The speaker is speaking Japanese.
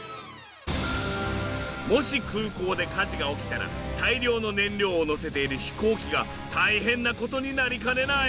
もし空港で火事が起きたら大量の燃料をのせている飛行機が大変な事になりかねない。